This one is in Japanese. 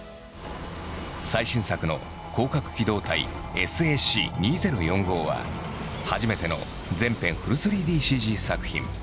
最新作の「攻殻機動隊ＳＡＣ２０４５」は初めての全編フル３ＤＣＧ作品。